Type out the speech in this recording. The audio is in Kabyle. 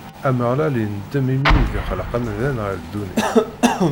Ameɣlal indem imi i d-ixleq amdan ɣer ddunit.